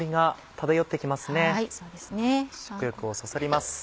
食欲をそそります。